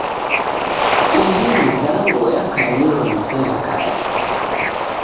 Ihi mizango yakanilo ni serikali.